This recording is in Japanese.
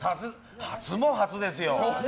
初も初ですよ。